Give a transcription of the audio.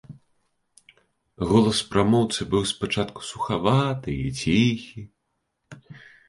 Голас прамоўцы быў спачатку сухаваты і ціхі.